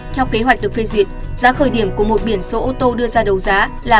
theo kế hoạch được phê duyệt giá khởi điểm của một biển số ô tô đưa ra đấu giá là